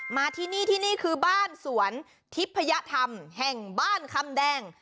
มาที่นี่ที่นี่คือบ้านสวนทิพยธรรมแห่งบ้านคำแดง